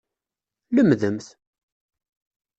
Lemdemt!